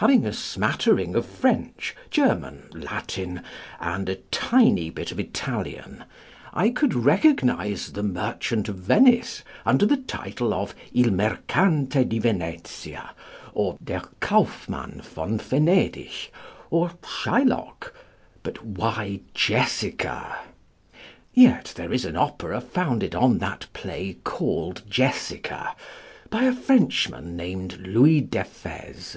Having a smattering of French, German, Latin, and a tiny bit of Italian, I could recognise The Merchant of Venice under the title of Il Mercante di Venezia, or Der Kaufman von Venedig, or Shylock; but why Jessica? Yet there is an opera founded on that play, called Jessica, by a Frenchman named Louis Deffès.